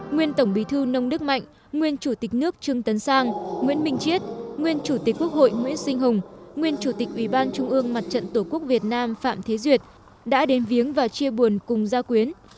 nguyên tổng bí thư nông đức mạnh nguyên chủ tịch nước trương tấn sang nguyễn minh chiết nguyên chủ tịch quốc hội nguyễn sinh hùng nguyên chủ tịch ủy ban trung ương mặt trận tổ quốc việt nam phạm thế duyệt đã đến viếng và chia buồn cùng gia quyến